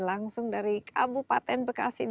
langsung dari kabupaten bekasi